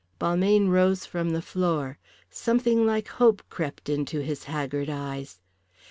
Balmayne rose from the floor. Something like hope crept into his haggard eyes.